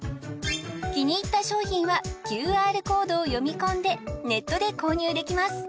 気に入った商品はＱＲコードを読み込んでネットで購入できます